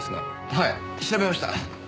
はい調べました。